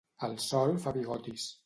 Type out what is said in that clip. El sol fa bigotis.